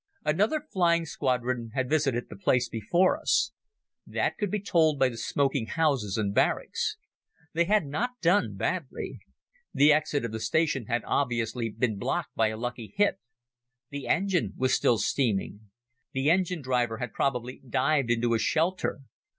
Another flying squadron had visited the place before us. That could be told by the smoking houses and barracks. They had not done badly. The exit of the station had obviously been blocked by a lucky hit. The engine was still steaming. The engine driver had probably dived into a shelter.